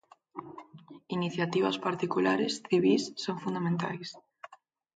Iniciativas particulares, civís, son fundamentais.